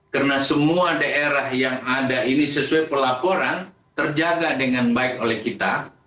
karena semua daerah yang ada ini sesuai pelaporan terjaga dengan baik oleh kita